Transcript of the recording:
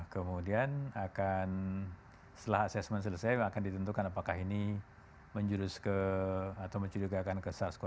kemudian akan setelah assessment selesai akan ditentukan apakah ini menjurus ke atau mencurigakan ke sars cov